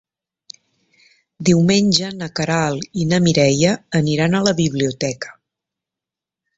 Diumenge na Queralt i na Mireia aniran a la biblioteca.